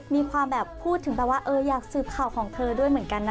มีความแบบพูดถึงแบบว่าอยากสืบข่าวของเธอด้วยเหมือนกันนะ